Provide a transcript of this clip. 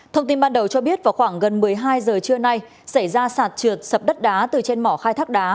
thông tin ban đầu cho biết vào khoảng gần một mươi hai giờ trưa nay xảy ra sạt trượt sập đất đá từ trên mỏ khai thác đá